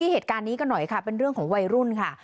เหตุการณ์นี้กันหน่อยค่ะเป็นเรื่องของวัยรุ่นค่ะ